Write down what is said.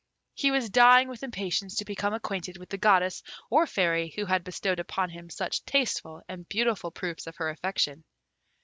He was dying with impatience to become acquainted with the Goddess or Fairy who had bestowed upon him such tasteful and beautiful proofs of her affection.